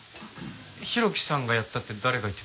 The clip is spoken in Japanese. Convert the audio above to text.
浩喜さんがやったって誰が言ってたんですか？